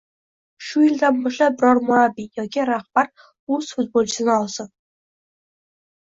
Shu yildan boshlab biror murabbiy yoki rahbar oʻz futbolchisini olsin